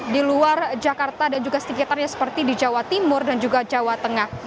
di luar jakarta dan juga sekitarnya seperti di jawa timur dan juga jawa tengah